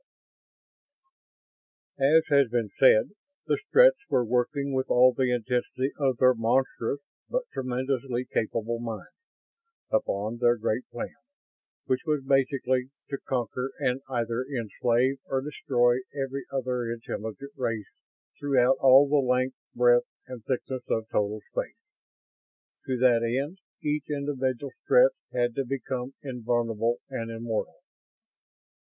XII As has been said, the Stretts were working, with all the intensity of their monstrous but tremendously capable minds, upon their Great Plan; which was, basically, to conquer and either enslave or destroy every other intelligent race throughout all the length, breadth, and thickness of total space. To that end each individual Strett had to become invulnerable and immortal.